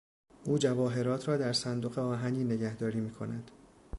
او جواهرات را در صندوق آهنی نگهداری میکند.